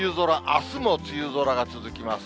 あすも梅雨空が続きます。